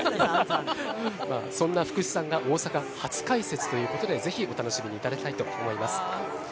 そんな福士さんが大阪初解説ということでぜひお楽しみいただきたいと思います。